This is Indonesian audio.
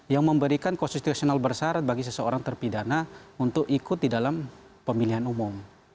yang memberikan konstitusional bersarat bagi seseorang terpidana untuk ikut di dalam pemilihan umum